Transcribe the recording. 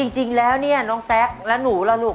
จริงแล้วเนี่ยน้องแซ็กและหนูล่ะลูก